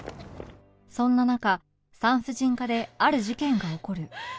そんな中産婦人科である事件が起こる